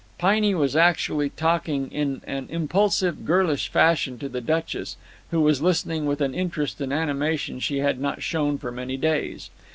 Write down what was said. Piney was actually talking in an impulsive, girlish fashion to the Duchess, who was listening with an interest and animation she had not shown for many days.